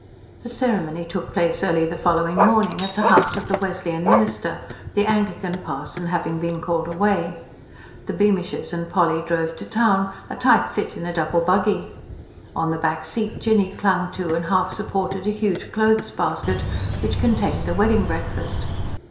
The ceremony took place early the following morning, at the house of the Wesleyan minister, the Anglican parson having been called away. The Beamishes and Polly drove to town, a tight fit in a double buggy. On the back seat, Jinny clung to and half supported a huge clothes basket, which contained the wedding breakfast.